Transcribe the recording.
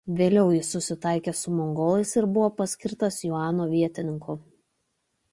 Vėliau jis susitaikė su mongolais ir buvo paskirtas Junano vietininku.